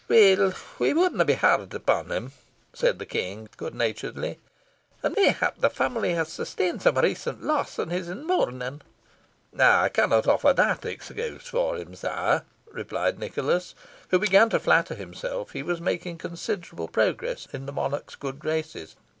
"Weel, we wouldna be hard upon him," said the King, good naturedly; "and mayhap the family has sustained some recent loss, and he is in mourning." "I cannot offer that excuse for him, sire," replied Nicholas, who began to flatter himself he was making considerable progress in the monarch's good graces.